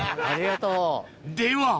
ありがとう！